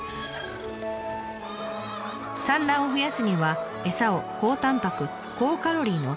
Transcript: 産卵を増やすには餌を高たんぱく高カロリーの配合